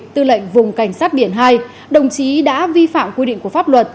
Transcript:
tư lệnh vùng cảnh sát biển hai đồng chí đã vi phạm quy định của pháp luật